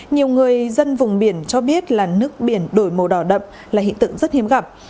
nhiều người dân vùng biển cho biết là nước biển đổi màu đỏ đậm là hiện tượng rất hiếm gặp